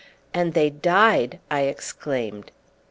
"And they died!" I exclaimed.